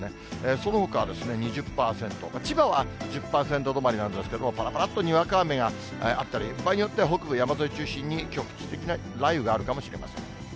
そのほかですね、２０％、千葉は１０％止まりなんですけれども、ぱらぱらっとにわか雨があったり、場合によっては、北部山沿い中心に、局地的に雷雨があるかもしれません。